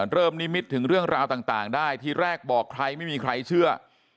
นิมิตถึงเรื่องราวต่างได้ทีแรกบอกใครไม่มีใครเชื่อ